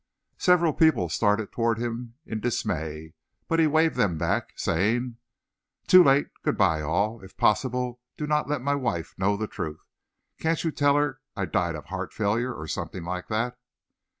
Several people started toward him in dismay, but he waved them back, saying: "Too late. Good by, all. If possible, do not let my wife know the truth. Can't you tell her I died of heart failure or something like that?"